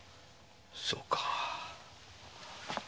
そうか。